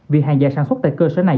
vì hàng giả sản xuất tại cơ sở này